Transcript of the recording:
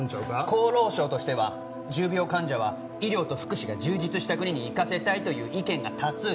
厚労省としては重病患者は医療と福祉が充実した国に行かせたいという意見が多数です